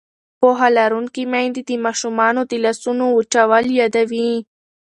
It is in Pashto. پوهه لرونکې میندې د ماشومانو د لاسونو وچول یادوي.